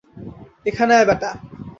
এখানে আয়, বেটা।